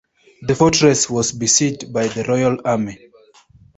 The fortress was besieged by the royal army.